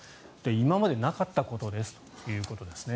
今までなかったことですということですね。